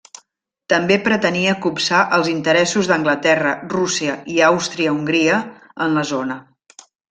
També pretenia copsar els interessos d'Anglaterra, Rússia i Àustria-Hongria en la zona.